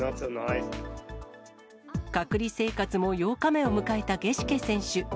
隔離生活も８日目を迎えたゲシュケ選手。